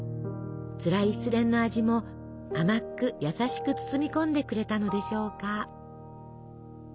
つらい失恋の味も甘く優しく包み込んでくれたのでしょうか。